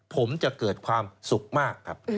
ผมจะเกิดความสุขมากครับ